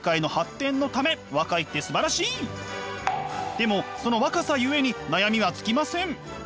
でもその若さゆえに悩みは尽きません。